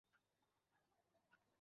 আমি তোমাকে সব জায়গায় খুঁজছি।